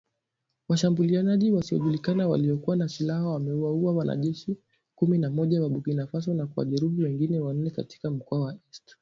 Washambuliaji wasiojulikana waliokuwa na silaha wamewaua wanajeshi kumi na mmoja wa Burkina Faso na kuwajeruhi wengine wanane katika mkoa wa Est